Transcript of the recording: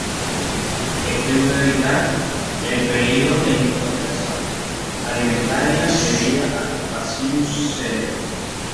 Esto ayuda a evitar el peligro de intoxicación alimentaria debida al "Bacillus cereus".